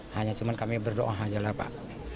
hanya cuman kami berdoa aja lah pak